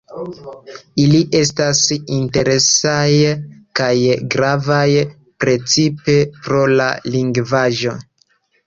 Ili estas interesaj kaj gravaj precipe pro la lingvaĵo.